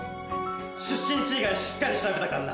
出身地以外しっかり調べたからな。